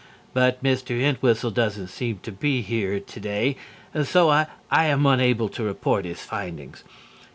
_ But Mr. Entwhistle doesn't seem to be here today, and so I am unable to report his findings.